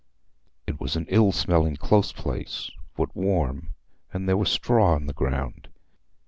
It was an ill smelling close place, but warm, and there was straw on the ground.